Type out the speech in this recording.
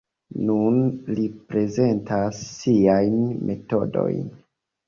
Nun li prezentas siajn metodojn.